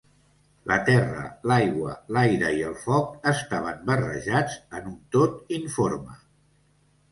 La terra, l'aigua, l'aire i el foc estaven barrejats en un tot informe.